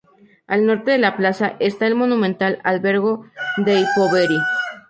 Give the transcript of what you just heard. Al norte de la plaza está el monumental Albergo dei Poveri.